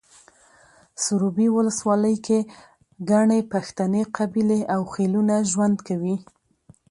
سروبي ولسوالۍ کې ګڼې پښتنې قبیلې او خيلونه ژوند کوي